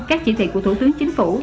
các chỉ thị của thủ tướng chính phủ